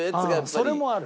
それもある。